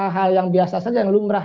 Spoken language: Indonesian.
hal yang biasa saja yang lumrah